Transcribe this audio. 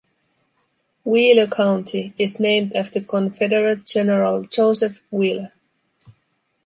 Wheeler County is named after Confederate General Joseph Wheeler.